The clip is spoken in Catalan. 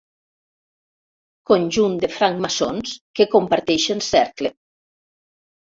Conjunt de francmaçons que comparteixen cercle.